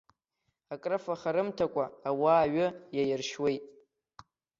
Акрыфаха рымҭакәа ауаа аҩы иааиршьуеит.